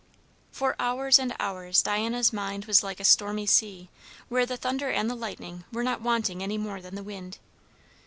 For hours and hours Diana's mind was like a stormy sea, where the thunder and the lightning were not wanting any more than the wind.